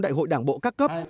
đại hội đảng bộ các cấp